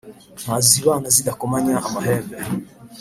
“ntazibana zidakomanya amahembe”.